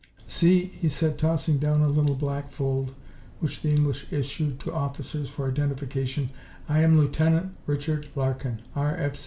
"See," he said, tossing down a little black fold which the English issued to officers for identification, "I am Lieutenant Richard Larkin, R.